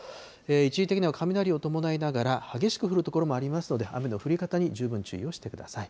一時的には雷を伴いながら、激しく降る所もありますので、雨の降り方に十分注意をしてください。